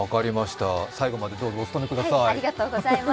最後までどうぞお務めください。